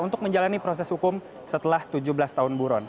untuk menjalani proses hukum setelah tujuh belas tahun buron